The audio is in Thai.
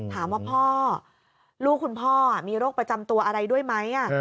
ถามว่าพ่อลูกคุณพ่อมีโรคประจำตัวอะไรด้วยไหม